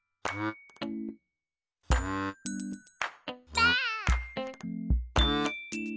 ばあっ！